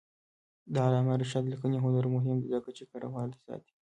د علامه رشاد لیکنی هنر مهم دی ځکه چې کرهوالي ساتي.